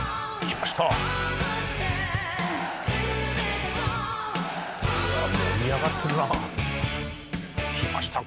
きました